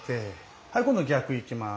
はい今度は逆いきます。